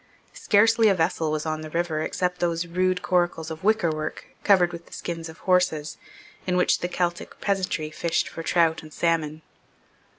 Scarcely a vessel was on the river except those rude coracles of wickerwork covered with the skins of horses, in which the Celtic peasantry fished for trout and salmon.